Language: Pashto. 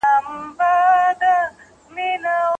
کله چې خلک واورېدل شي، تصمیمونه اغېزمن کېږي.